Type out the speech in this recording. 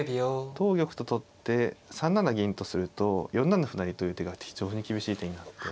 同玉と取って３七銀とすると４七歩成という手があって非常に厳しい手になるので。